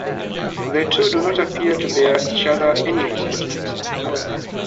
The two do not appear to bear each other any resentment, however.